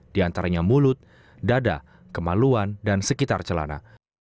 di antaranya mulut dada kemaluan dan sekitar celana